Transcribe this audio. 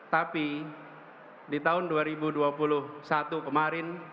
tapi di tahun dua ribu dua puluh satu kemarin